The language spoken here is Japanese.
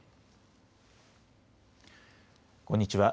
こんにちは。